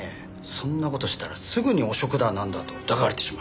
そんな事をしたらすぐに汚職だなんだと疑われてしまう。